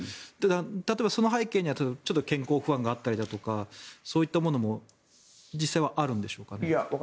例えば、その背景にはちょっと健康不安があったりとかそういったものも実際はあるんでしょうか？